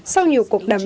sau nhiều cuộc đàm